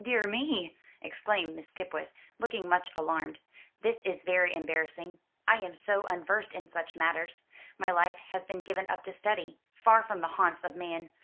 "Dear me!" exclaimed Miss Skipwith, looking much alarmed; "this is very embarrassing. I am so unversed in such matters. My life has been given up to study, far from the haunts of man.